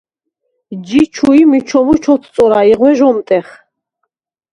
ჯი ჩუ ი მიჩომუ ჩოთწორა ი ღვე ჟ’ომტეხ.